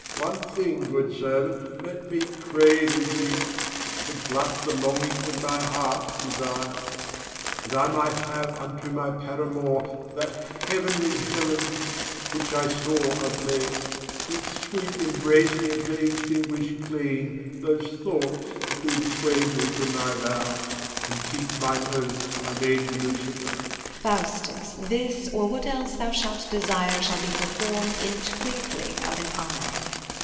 FAUSTUS. One thing, good servant, let me crave of thee, To glut the longing of my heart's desire, That I might have unto my paramour That heavenly Helen which I saw of late, Whose sweet embracings may extinguish clean Those thoughts that do dissuade me from my vow, And keep mine oath I made to Lucifer. MEPHIST. Faustus, this, or what else thou shalt desire, Shall be perform'd in twinkling of an eye.